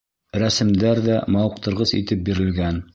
Рәсемдәр ҙә мауыҡтырғыс итеп бирелгән.